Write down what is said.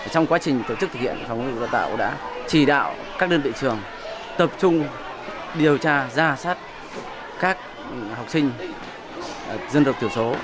trong quá trình tổ chức thực hiện phòng hội tạo đã chỉ đạo các đơn vị trường tập trung điều tra ra sát các học sinh dân tộc thiểu số